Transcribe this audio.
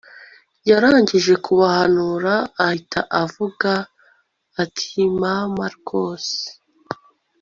yarangije kubahanura ahita avuga atimama rwose